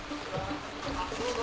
どうぞ。